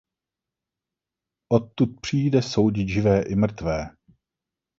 odtud přijde soudit živé i mrtvé.